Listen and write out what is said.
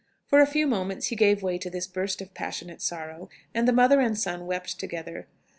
For a few moments he gave way to this burst of passionate sorrow, and the mother and son wept together.